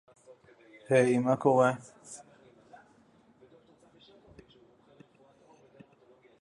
Her works also portrayed female homosexual relationships.